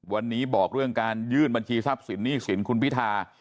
วันนี้บอกเรื่องการยื่นบัญชีทรัพย์สินหนี้สินคุณพิธา